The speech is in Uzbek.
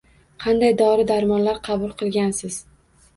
Qanday dori-darmonlar qabul qilgansiz?